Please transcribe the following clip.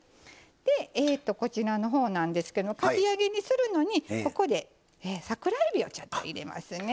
でこちらのほうなんですけどかき揚げにするのにここで桜えびをちょっと入れますね。